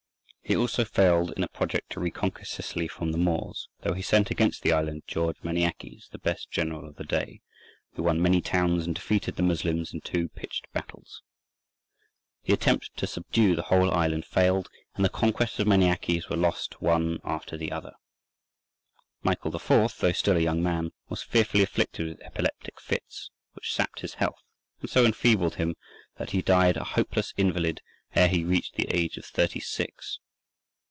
He also failed in a project to reconquer Sicily from the Moors, though he sent against the island George Maniakes, the best general of the day, who won many towns and defeated the Moslems in two pitched battles. The attempt to subdue the whole island failed, and the conquests of Maniakes were lost one after the other. Michael IV., though still a young man, was fearfully afflicted with epileptic fits, which sapped his health, and so enfeebled him that he died a hopeless invalid ere he reached the age of thirty six.